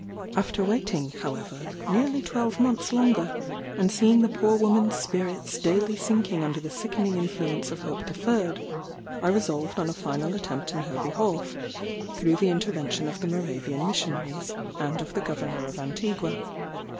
After waiting, however, nearly twelve months longer, and seeing the poor woman's spirits daily sinking under the sickening influence of hope deferred, I resolved on a final attempt in her behalf, through the intervention of the Moravian Missionaries, and of the Governor of Antigua.